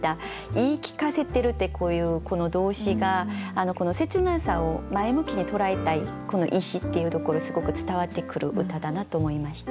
言い聞かせてるってこういうこの動詞が切なさを前向きに捉えたいこの意思っていうところすごく伝わってくる歌だなと思いました。